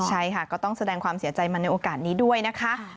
ใช่ค่ะก็ต้องแสดงความเสียใจมาในโอกาสนี้ด้วยนะคะ